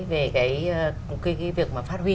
về cái việc mà phát huy